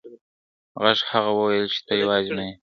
غږ هغه ته وویل چې ته یوازې نه یې.